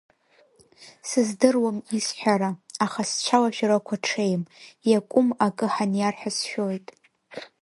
Сыздыруам исҳәара, аха сцәалашәарақәа ҽеим, иакәым акы ҳаниар ҳәа сшәоит.